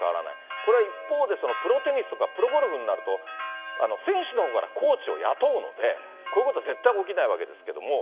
これは一方で、プロテニスとかプロゴルフになると、選手のほうからコーチを雇うので、こういうことは絶対起きないわけですけれども。